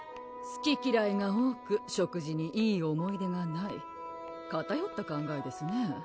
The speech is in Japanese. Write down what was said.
すききらいが多く食事にいい思い出がないかたよった考えですね